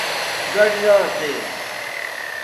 ڎر اِراسے